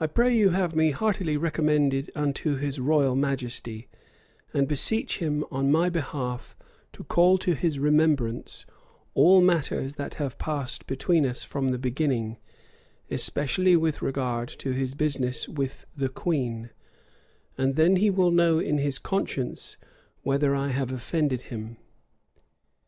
"I pray you have me heartily recommended unto his royal majesty, and beseech him on my behalf to call to his remembrance all matters that have passed between us from the beginning, especially with regard to his business with the queen; and then will he know in his conscience whether I have offended him.